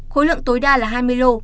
khối lượng tối đa là hai mươi lô